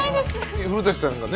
古さんがね